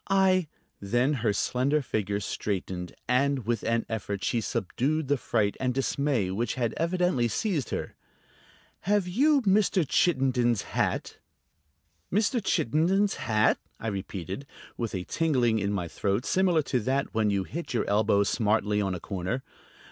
"I ..." Then her slender figure straightened, and with an effort she subdued the fright and dismay which had evidently seized her. "Have you Mr. Chittenden's hat?" "Mr. Chittenden's hat?" I repeated, with a tingling in my throat similar to that when you hit your elbow smartly on a corner.